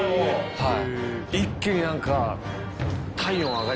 はい。